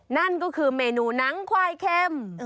นั่นก็คือเมนูหนังควายเข้ม